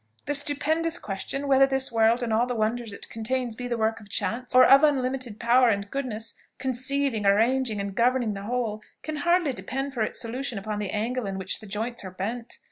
The stupendous question, whether this world and all the wonders it contains be the work of chance, or of unlimited power and goodness, conceiving, arranging, and governing the whole, can hardly depend for its solution upon the angle in which the joints are bent.